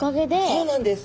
そうなんです。